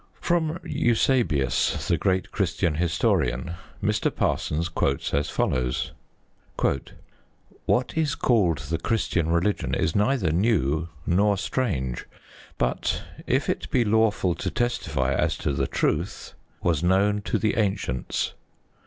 From Eusebius, the great Christian historian, Mr. Parsons, quotes as follows: What is called the Christian religion is neither new nor strange, but if it be lawful to testify as to the truth was known to the ancients.